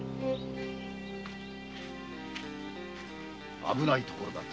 危ないところだった。